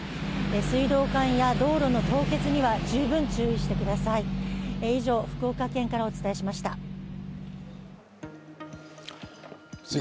水道管や道路の凍結には十分注意してください。